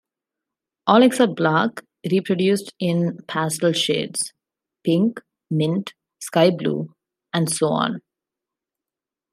All except black reproduced in pastel shades: pink, mint, sky blue, and so on.